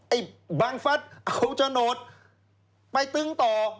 ไอ้บังฟัสเอาโฉนดไปตึงต่อ